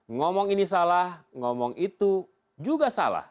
ngomong ini salah ngomong itu juga salah